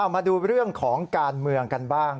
มาดูเรื่องของการเมืองกันบ้าง